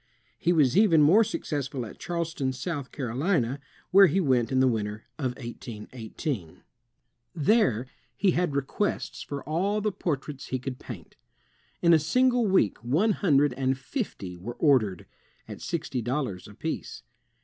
He was even more successful at Charleston, South Carolina, where he went in the winter of 1818. SAMUEL F. B. MORSE 215 There he had requests for all the protraits he could paint. In a single week one hundred and fifty were ordered, at sixty dollars apiece.